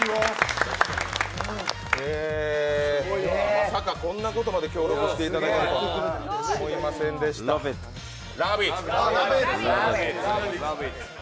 まさかこんなことまで協力してくれるとは思いませんでしたね。